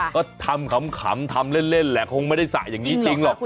ก็ทำขำทำเล่นแหละคงไม่ได้สระอย่างนี้จริงหรอก